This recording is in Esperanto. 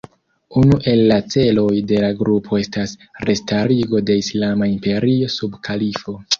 Unu el la celoj de la grupo estas restarigo de islama imperio sub kalifo.